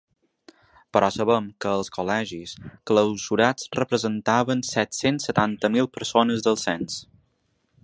Però sabem que els col·legis clausurats representaven set-cents setanta mil persones del cens.